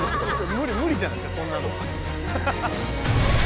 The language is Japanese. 無理じゃないですかそんなの。